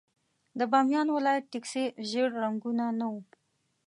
د بامیان ولايت ټکسي ژېړ رنګونه نه وو.